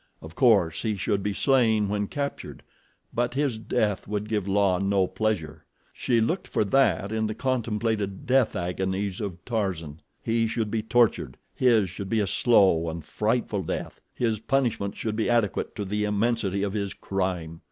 Of course, he should be slain when captured; but his death would give La no pleasure—she looked for that in the contemplated death agonies of Tarzan. He should be tortured. His should be a slow and frightful death. His punishment should be adequate to the immensity of his crime.